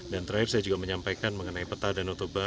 dan terakhir saya juga menyampaikan mengenai peta danau toba